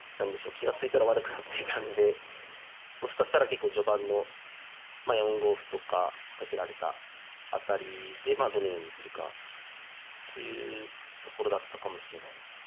気が付いたら悪くなっていたんでもしかしたら結構序盤のまあ４五歩とか仕掛けられた辺りでどのようにするかというところだったかもしれないですね。